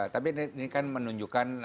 tapi ini kan menunjukkan